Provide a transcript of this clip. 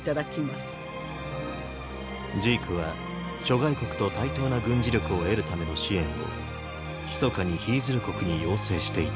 ジークは諸外国と対等な軍事力を得るための支援をひそかにヒィズル国に要請していた。